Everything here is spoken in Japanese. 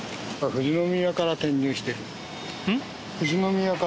富士宮から転入してる。